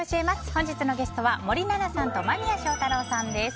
本日のゲストは森七菜さんと間宮祥太朗さんです。